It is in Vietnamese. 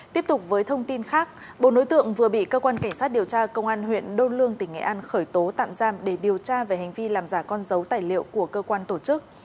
tiếp tục với thông tin khác bốn đối tượng vừa bị cơ quan cảnh sát điều tra công an huyện đô lương tỉnh nghệ an khởi tố tạm giam để điều tra về hành vi làm giả con dấu tài liệu của cơ quan tổ chức